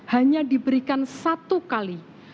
hanya diberikan satu kali